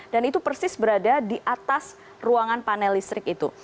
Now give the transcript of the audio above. dan itu persis berada di atas ruangan panel listrik itu